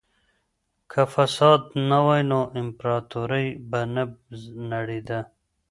که فساد نه وای نو امپراطورۍ به نه نړېده.